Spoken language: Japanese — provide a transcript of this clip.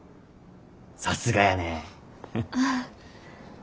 さすがやね。ああ。